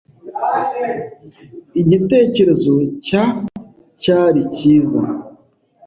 Igitekerezo cya cyari cyiza?